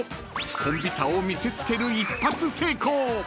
コンビ差を見せつける一発成功］